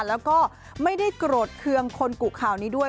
แล้วก็ไม่ได้โกรธเคืองคนกุข่าวนี้ด้วย